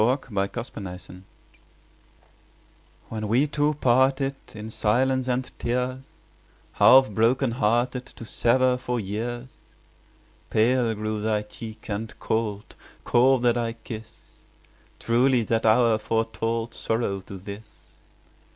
When we Two parted WHEN we two parted In silence and tears, Half broken hearted To sever for years, Pale grew thy cheek and cold, 5 Colder thy kiss; Truly that hour foretold Sorrow to this.